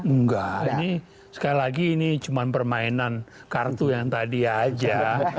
enggak ini sekali lagi ini cuma permainan kartu yang tadi aja